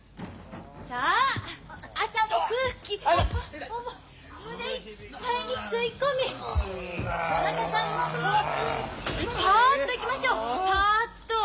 さあ朝の空気を胸いっぱいに吸い込みどなたさんもパッといきましょうパッと。